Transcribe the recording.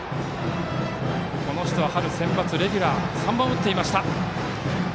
この人は春センバツ、レギュラー３番を打っていました。